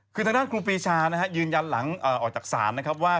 คือทางด้านครูปีชานะฮะยืนยันหลังออกจากศาลนะครับว่า